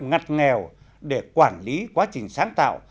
ngặt nghèo để quản lý quá trình sáng tạo